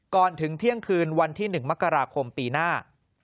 ถึงเที่ยงคืนวันที่๑มกราคมปีหน้า